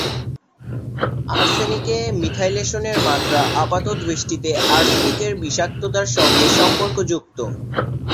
আর্সেনিকে মিথাইলেশনের মাত্রা আপাতদৃষ্টিতে আর্সেনিকের বিষাক্ততার সঙ্গে সম্পর্কযুক্ত।